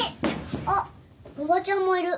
あっおばちゃんもいる。